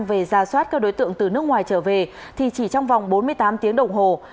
về ra soát các đối tượng từ nước ngoài trở về thì chỉ trong vòng bốn mươi tám tiếng đồng hồ